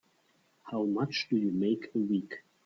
How much do you make a week?